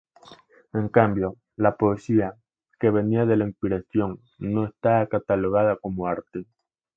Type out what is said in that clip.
En cambio, la poesía, que venía de la inspiración, no estaba catalogada como arte.